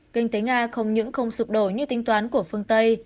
kinh tế nga không những không sụp đổ như tính toán của phương tây